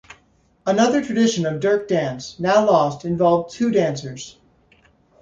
Another tradition of dirk dance, now lost, involved two dancers.